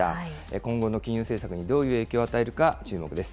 今後の金融政策にどういう影響を与えるか注目です。